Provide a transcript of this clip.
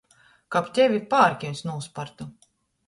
Kab tevi pārkiuņs nūspartu!